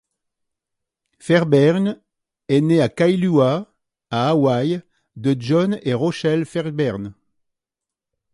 Fairbairn est né à Kailua, à Hawaii, de John et Rochelle Fairbairn.